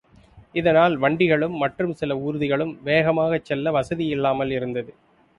இதனால் வண்டிகளும் மற்றும் சில ஊர்திகளும் வேகமாகச் செல்ல வசதி இல்லாமல் இருந்தது.